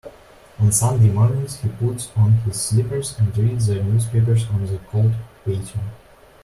On Sunday mornings, he puts on his slippers and reads the newspaper on the cold patio.